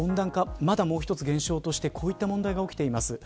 まだもう一つ現象としてこういった問題が起きています。